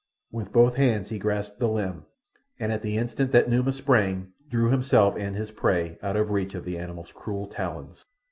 With both hands he grasped the limb, and, at the instant that Numa sprang, drew himself and his prey out of reach of the animal's cruel talons.